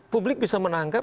publik bisa menangkap